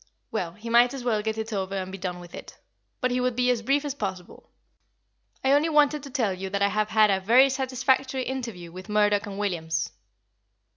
Well, he might as well get it over and be done with it; but he would be as brief as possible. "I only wanted to tell you that I have had a very satisfactory interview with Murdoch & Williams."